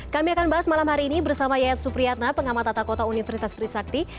kami akan bahas malam hari ini bersama yayat supriyatna pengamat tata kota universitas trisakti